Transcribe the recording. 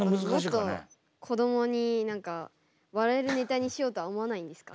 もっと子どもに笑えるネタにしようとは思わないんですか？